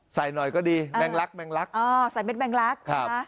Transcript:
ใส่หน่อยก็ดีแมงลักแมงลักอ๋อใส่เด็ดแมงลักครับ